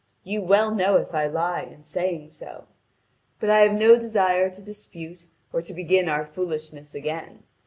You well know if I lie in saying so. But I have no desire to dispute or to begin our foolishness again.